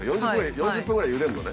４０分ぐらいゆでるのね。